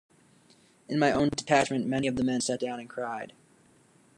In my own detachment many of the men sat down and cried.